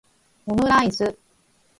omuraisu